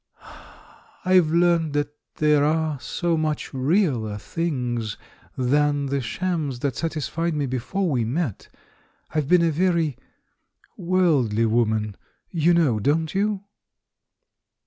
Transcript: "I've learnt that there are so much realer things than the shams that satisfied me before we met. I've been a very ... worldly woman; you know, don't you?"